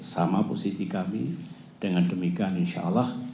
sama posisi kami dengan demikian insya allah